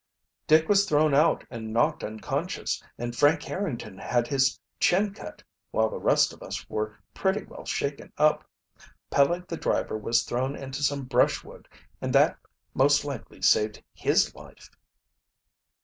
"Dick was thrown out and knocked unconscious, and Frank Harrington had his chin cut, while the rest of us were pretty well shaken up. Peleg the driver was thrown into some brushwood and that most likely saved his life."